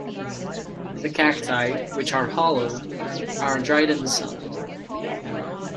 The cacti, which are hollow, are dried in the sun.